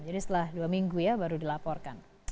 jadi setelah dua minggu ya baru dilaporkan